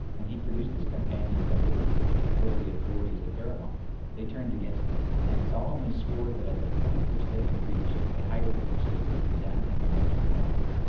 When he produced his companions as witnesses before the authorities at Erivan, they turned against him, and solemnly swore that at the point which they had reached a higher peak stood between them and the western horizon.